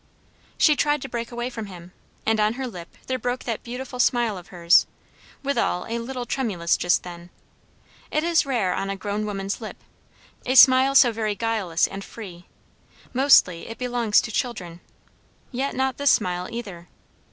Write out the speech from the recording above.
She tried to break away from him, and on her lip there broke that beautiful smile of hers; withal a little tremulous just then. It is rare on a grown woman's lip, a smile so very guileless and free; mostly it belongs to children. Yet not this smile, either.